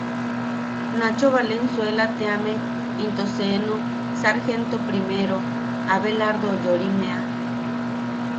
Nacho Valenzuela teame into seenu Sargento Primero Abelardo Yorimeʼa.